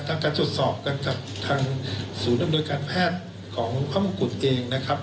ทั้งการจดสอบกันกับทางศูนย์ดำเนินการแพทย์ของข้อมกุฎเองนะครับ